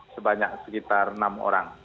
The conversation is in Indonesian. sebanyak sekitar enam orang